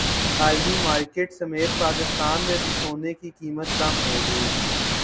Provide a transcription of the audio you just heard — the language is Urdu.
عالمی مارکیٹ سمیت پاکستان میں بھی سونے کی قیمت کم ہوگئی